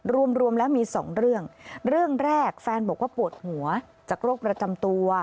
รวมรวมแล้วมีสองเรื่องเรื่องแรกแฟนบอกว่าปวดหัวจากโรคประจำตัว